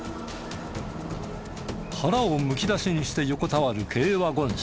腹をむき出しにして横たわる軽ワゴン車。